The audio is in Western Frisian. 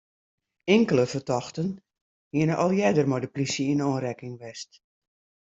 Inkelde fertochten hiene al earder mei de plysje yn oanrekking west.